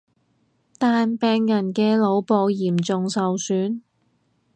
但病人嘅腦部嚴重受損